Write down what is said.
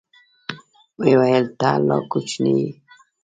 ويې ويل ته لا کوچنى يې.